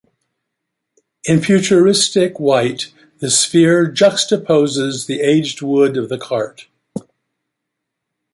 In futuristic white, the sphere juxtaposes the aged wood of the cart.